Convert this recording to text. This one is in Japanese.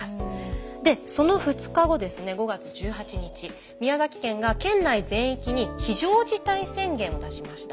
その２日後ですね５月１８日宮崎県が県内全域に非常事態宣言を出しました。